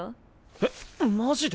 えっマジで？